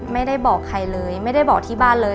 ไม่ได้บอกใครเลยไม่ได้บอกที่บ้านเลย